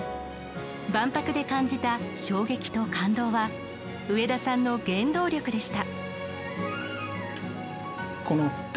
万博で感じた衝撃と感動は上田さんの原動力でした。